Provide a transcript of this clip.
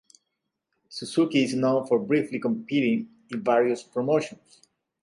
Suzuki is known for briefly competing in various promotions.